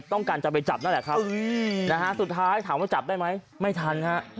ต้องการจะไปจับนั่นแหละครับนะฮะสุดท้ายถามว่าจับได้ไหมไม่ทันฮะ